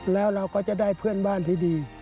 แล้วเราก็จะได้เพื่อนบ้านที่ดี